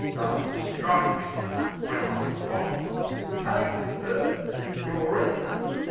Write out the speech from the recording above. O, strike me! Will I wot? TAKE 'er? Doreen?